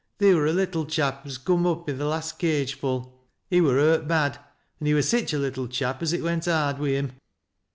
" Theer wur a little chap as come up i' the last cageful he wur hurt bad, an' he wur sich a little chap as it went hard wi' him.